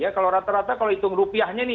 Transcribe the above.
kalau rata rata kalau hitung rupiahnya ini